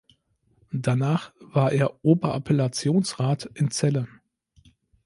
Danach war er Oberappellationsrat in Celle.